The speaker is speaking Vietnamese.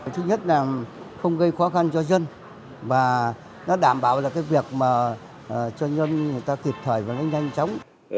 thứ nhất là không gây khó khăn cho dân và nó đảm bảo cho dân người ta thiệt thởi và nhanh chóng